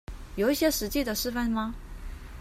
有一些實際的示範嗎